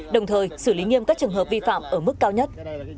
đồng thời xử lý nghiêm các trường hợp vi phạm ở mức cao nhất